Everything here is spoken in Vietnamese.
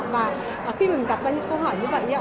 và khi mình đặt ra những câu hỏi như vậy ạ